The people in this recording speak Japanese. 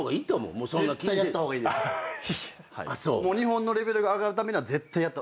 もう日本のレベルが上がるためには絶対必要です。